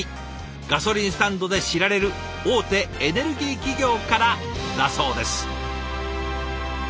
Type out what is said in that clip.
ガソリンスタンドで知られる大手エネルギー企業からだそうです。